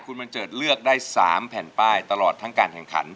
คุณบัญเจิดเลือกได้๓แผ่นป้ายตลอดทั้งการแข่งขัน